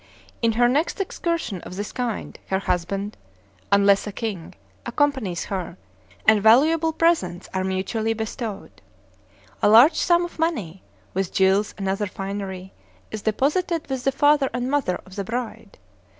In her next excursion of this kind her husband (unless a king) accompanies her, and valuable presents are mutually bestowed. A large sum of money, with jewels and other finery, is deposited with the father and mother of the bride.